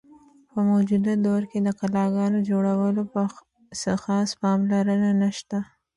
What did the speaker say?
په موجوده دور کښې د قلاګانو جوړولو څۀ خاص پام لرنه نشته۔